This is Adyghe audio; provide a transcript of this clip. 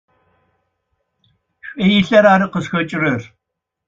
Шӏу илъэр ары къызхэкӏырэр.